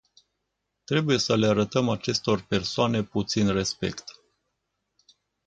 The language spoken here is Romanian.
Trebuie să le arătăm acestor persoane puțin respect.